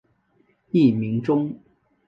艺名中。